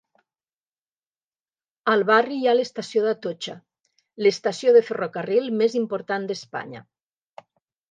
Al barri hi ha l'Estació d'Atocha, l'estació de ferrocarril més important d'Espanya.